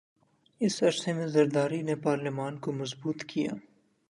س عرصے میں زرداری نے پارلیمان کو مضبوط کیا